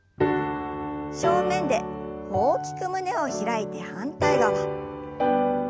正面で大きく胸を開いて反対側。